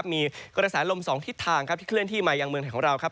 มีกระแสลม๒ทิศทางครับที่เคลื่อนที่มายังเมืองไทยของเราครับ